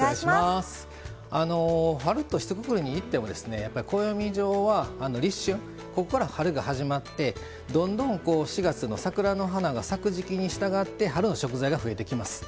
春とひとくくりに言っても暦上は立春ここから春が始まってどんどん４月の桜の花が咲く時季にしたがって春の食材が増えてきます。